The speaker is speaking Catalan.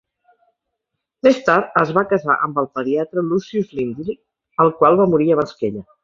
Més tard es va casar amb el pediatre Lucius Lindley, el qual va morir abans que ella.